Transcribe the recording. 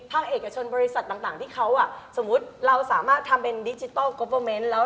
ตรวจสอบได้จริง